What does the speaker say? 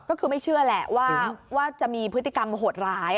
ก็คือไม่เชื่อแหละว่าจะมีพฤติกรรมโหดร้าย